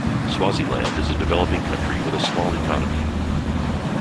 Swaziland is a developing country with a small economy.